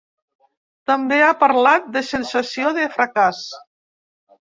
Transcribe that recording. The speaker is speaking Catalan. També ha parlat de sensació de fracàs.